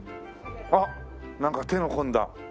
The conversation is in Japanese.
あっなんか手の込んだ。